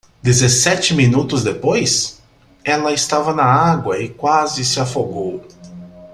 Dezessete minutos depois,? ela estava na água e quase se afogou.